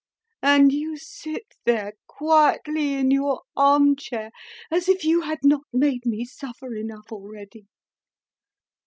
And you sit there quietly in your arm chair, as if you had not made me suffer enough already!